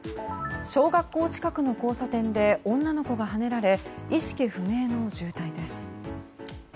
小学校近くの交差点で女の子がはねられ意識不明の重体です。